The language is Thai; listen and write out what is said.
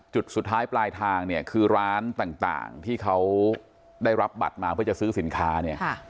จุดสุดท้ายปลายทางเนี่ยคือร้านต่างที่เขาได้รับบัตรมาเพื่อจะซื้อสินค้าเนี่ย